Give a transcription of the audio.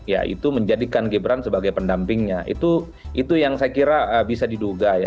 ya itu menjadikan gibran sebagai pendampingnya itu yang saya kira bisa diduga ya